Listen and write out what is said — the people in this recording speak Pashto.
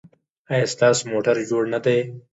ایا ستاسو موټر جوړ نه دی؟